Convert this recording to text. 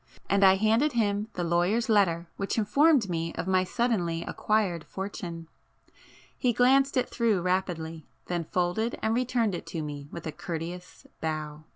And I handed him the lawyer's letter which informed me of my suddenly acquired fortune. He glanced it through rapidly,—then folded and returned it to me with a courteous bow.